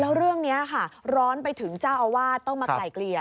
แล้วเรื่องนี้ค่ะร้อนไปถึงเจ้าอาวาสต้องมาไกลเกลี่ย